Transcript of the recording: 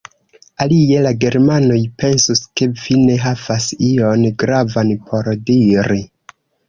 Alie la germanoj pensus ke vi ne havas ion gravan por diri!